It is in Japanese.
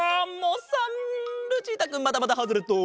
ルチータくんまたまたハズレット！